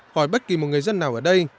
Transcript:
hỏi bất kỳ một người dân nào ở đây